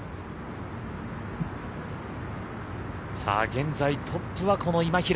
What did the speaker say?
現在トップはこの今平。